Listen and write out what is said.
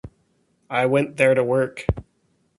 I went there to work.